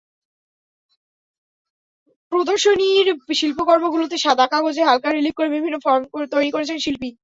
প্রদর্শনীর শিল্পকর্মগুলোতে সাদা কাগজে হালকা রিলিফ করে বিভিন্ন ফর্ম তৈরি করেছেন শিল্পী।